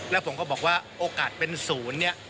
แล้วผมก็บอกว่าโอกาสเป็นศูนย์เนี่ย